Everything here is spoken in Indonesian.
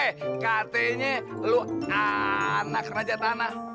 eh katanya lo anak reja tanah